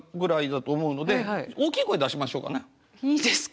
いいですか。